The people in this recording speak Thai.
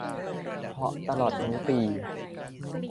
เพราะตลอดทั้งปี